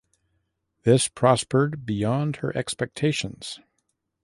This prospered beyond her expectations.